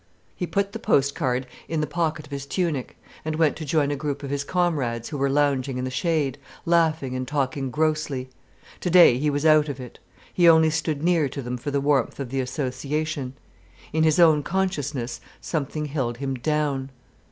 He put the post card in the pocket of his tunic, and went to join a group of his comrades who were lounging in the shade, laughing and talking grossly. Today he was out of it. He only stood near to them for the warmth of the association. In his own consciousness something held him down.